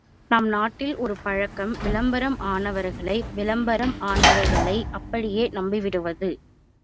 நம் நாட்டில் ஒரு பழக்கம் விளம்பரம் ஆனவர்களை விளம்பரம் ஆனவைகளை அப்படியே நம்பிவிடுவது!